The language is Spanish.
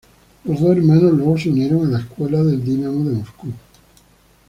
Los dos hermanos luego se unieron a la escuela del Dinamo de Moscú.